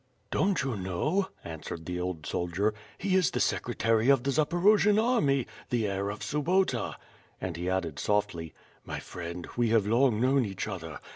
"Don't you know?" answered the old soldier. "He is the Secretary of the Zaporojian army, the heir of Subota," and he added softly; "My friend — we have long known each other.